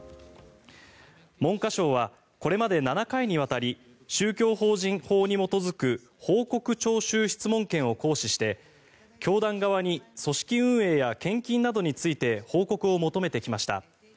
文科省はこれまで７回にわたり宗教法人法に基づく報告徴収・質問権を行使して教団側に組織運営や献金などについて報告を求めてきました。